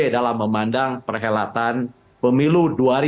dalam memandang perhelatan pemilu dua ribu dua puluh